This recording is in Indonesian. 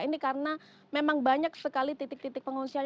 ini karena memang banyak sekali titik titik pengungsian